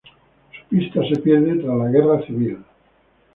Su pista se pierde tras la Guerra civil.